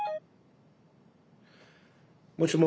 もしもし。